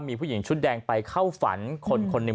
มีผู้หญิงชุดแดงไปเข้าฝันคนคนหนึ่ง